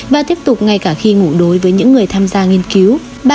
và tiếp tục ngay cả khi ngủ đối với những người tham gia nghiên cứu